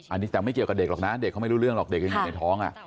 อันนี้แต่ไม่เกี่ยวกับเด็กหรอกนะเด็กเขาไม่รู้เรื่องหรอกเด็กยังอยู่ในท้อง